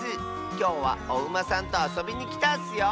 きょうはおウマさんとあそびにきたッスよ。